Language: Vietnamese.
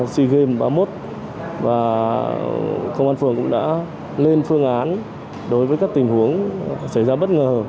sea games ba mươi một và công an phường cũng đã lên phương án đối với các tình huống xảy ra bất ngờ